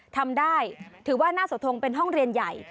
ทำได้ถือว่าน่าสะทงเป็นห้องเรียนใหญ่